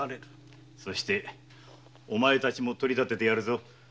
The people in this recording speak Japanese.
そしてお前たちも取り立ててやるぞ。